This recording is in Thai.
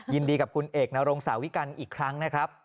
ยินดีกับคุณเอกนรงสาวิกัลอีกครั้งนะครับ